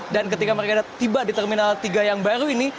dan ketika mereka tiba di terminal tiga yang baru ini